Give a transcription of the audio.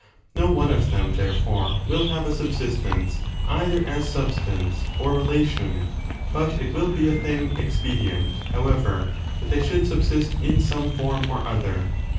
No one of them, therefore, will have a subsistence either as substance or relation ; but it will be a thing expedient,^ however, that they should subsist in some form or other.